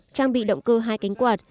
trang bị động cơ hai cánh quạt